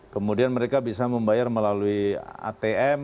kemudian mereka bisa membayar melalui atm